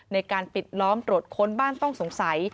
ในการปิดล้อมตรวจค้นบ้านต้องสงสัย